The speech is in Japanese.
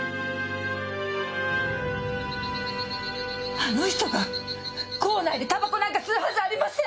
あの人が坑内でタバコなんか吸うはずありません！